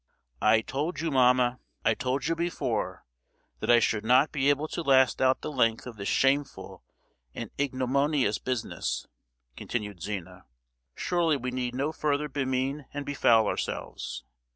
"I told you, mamma—I told you before, that I should not be able to last out the length of this shameful and ignominious business!" continued Zina. "Surely we need no further bemean and befoul ourselves!